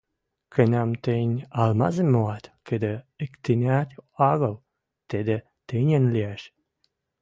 Кынам тӹнь алмазым моат, кыды иктӹнӓт агыл, тӹдӹ тӹньӹн лиэш.